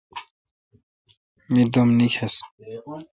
می دم نکیس۔